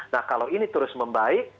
nah kalau ini terus membaik